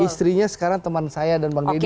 istrinya sekarang teman saya dan bang deddy